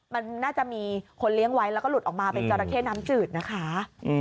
มันน่าจะมีคนเลี้ยงไว้แล้วก็หลุดออกมาเป็นจราเข้น้ำจืดนะคะ